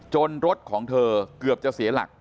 รถของเธอเกือบจะเสียหลัก